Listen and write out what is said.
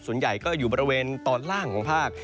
ส่วนใหญ่ก็อยู่บริเวณตอนล่างของภาค